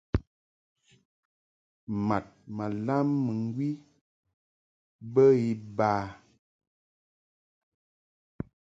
Mad ma lam mɨŋgwi bə iba.